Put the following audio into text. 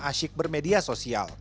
asyik bermedia sosial